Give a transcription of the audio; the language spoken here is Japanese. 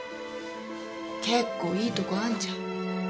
結構いいとこあんじゃん。